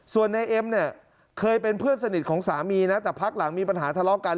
ส่วนนายเอ็มเนี่ยเคยเป็นเพื่อนสนิทของสามีนะแต่พักหลังมีปัญหาทะเลาะกัน